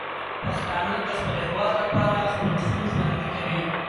پښتانه د خپل هېواد لپاره خپل خون خوندي کوي.